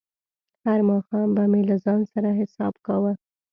هر ماښام به مې له ځان سره حساب کاوه.